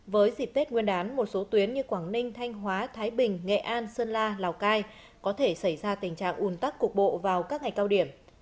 với dịp tết nguyên đán một số tuyến như quảng ninh thanh hóa thái bình nghệ an sơn la lào cai có thể xảy ra tình trạng ùn tắc cục bộ vào các ngày cao điểm